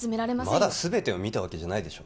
まだ全てを見たわけじゃないでしょ